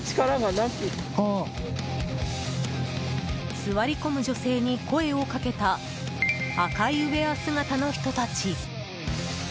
座り込む女性に声をかけた赤いウェア姿の人たち。